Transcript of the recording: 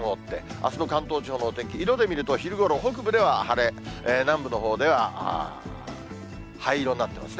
あすの関東地方のお天気、色で見ると、昼ごろ、北部では晴れ、南部のほうでは灰色になっていますね。